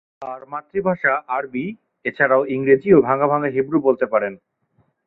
তার মাতৃভাষা আরবি, এছাড়াও ইংরেজি ও ভাঙা ভাঙা হিব্রু বলতে পারেন।